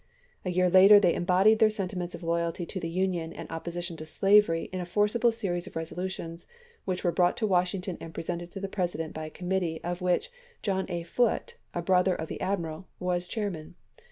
A year later they embodied their sentiments of loyalty to the Union and opposition to slavery in a forcible series of resolutions, which were brought to Washington and presented to the President by a committee of which John A. Foote, a brother of the admiral, was chairman.